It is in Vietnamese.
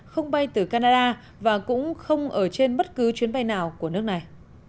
không bay từ canada và cũng không ở trên bất cứ chuyến bay nào của nước này